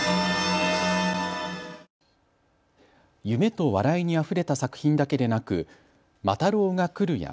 夢と笑いにあふれた作品だけでなく魔太郎がくる！！